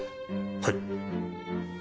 はい。